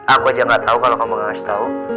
aku aja gak tahu kalau kamu gak ngasih tau